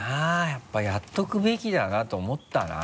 やっぱりやっとくべきだなと思ったな。